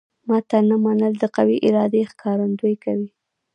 ماته نه منل د قوي ارادې ښکارندوی کوي